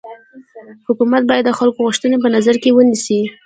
حکومت باید د خلکو غوښتني په نظر کي ونيسي.